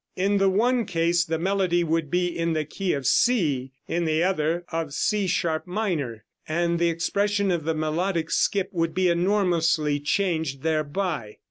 In the one case the melody would be in the key of C, in the other of C sharp minor. And the expression of the melodic skip would be enormously changed thereby.